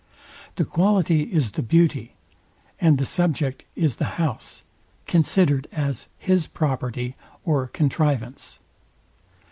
The quality is the beauty, and the subject is the house, considered as his property or contrivance.